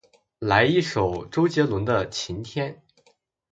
来一首周杰伦的晴天